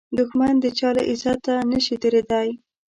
دښمن د چا له عزته نشي تېریدای